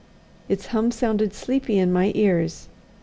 Its hum sounded sleepy in my ears.